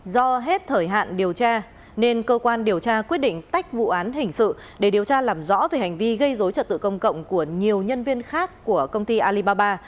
do hết thời hạn điều tra nên cơ quan điều tra quyết định tách vụ án hình sự để điều tra làm rõ về hành vi gây dối trật tự công cộng của nhiều nhân viên khác của công ty alibaba